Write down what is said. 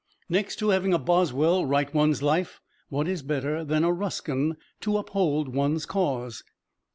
Next to having a Boswell write one's life, what is better than a Ruskin to uphold one's cause!